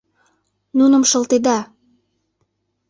Нуным шылтеда!